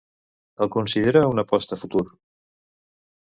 El considera una 'aposta a futur'.